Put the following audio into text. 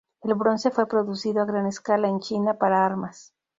El bronce fue producido a gran escala en China para armas.